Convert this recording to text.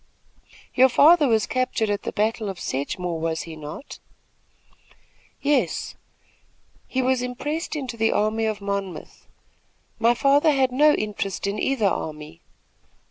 "Your father was captured at the battle of Sedgemore, was he not?" "Yes; he was impressed into the army of Monmouth. My father had no interest in either army.